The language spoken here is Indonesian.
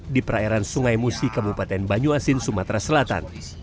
di perairan sungai musi kabupaten banyuasin sumatera selatan